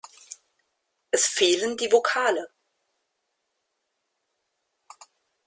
Es fehlen die Vokale.